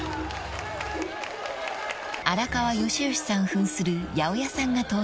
［荒川良々さん扮する八百屋さんが登場］